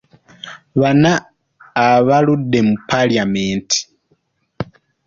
Bnna abaludde mu Paalamenti.